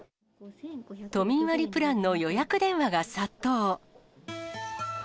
都民割プランの予約電話が殺到。